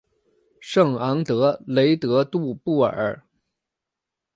圣昂德雷德杜布尔。